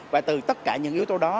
và từ tất cả những yếu tố đó